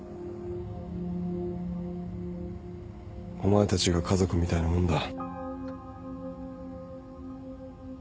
お前たちが家族みたいなもんだ。